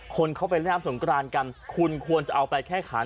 คนเข้าไปเล่นน้ำสงกรานกันคุณควรจะเอาไปแค่ขาน